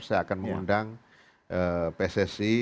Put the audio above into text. saya akan mengundang pssi